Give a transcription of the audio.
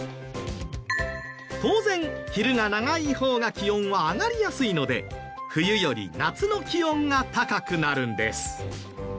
当然昼が長い方が気温は上がりやすいので冬より夏の気温が高くなるんです。